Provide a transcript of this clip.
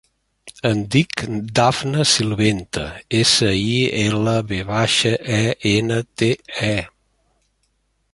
Em dic Dafne Silvente: essa, i, ela, ve baixa, e, ena, te, e.